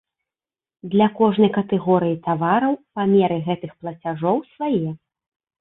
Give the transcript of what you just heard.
Для кожнай катэгорыі тавараў памеры гэтых плацяжоў свае.